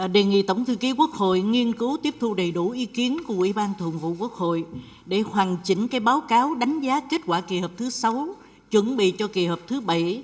đề nghị tổng thư ký quốc hội nghiên cứu tiếp thu đầy đủ ý kiến của ủy ban thường vụ quốc hội để hoàn chỉnh báo cáo đánh giá kết quả kỳ họp thứ sáu chuẩn bị cho kỳ họp thứ bảy